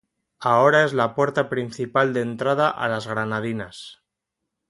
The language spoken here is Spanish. Ahora es la puerta principal de entrada a las Granadinas.